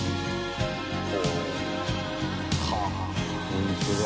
「ホントだ」